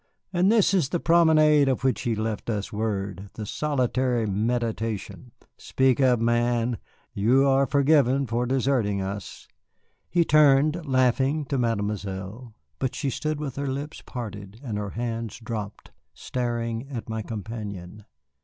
And this is the promenade of which he left us word, the solitary meditation! Speak up, man; you are forgiven for deserting us." He turned, laughing, to Mademoiselle. But she stood with her lips parted and her hands dropped, staring at my companion.